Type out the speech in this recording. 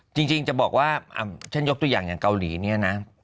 จริงจะบอกว่าฉันยกตัวอย่างอย่างเกาหลีเนี่ยนะ